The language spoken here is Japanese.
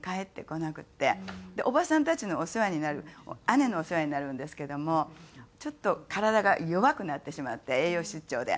おばさんたちのお世話になる姉のお世話になるんですけどもちょっと体が弱くなってしまって栄養失調で。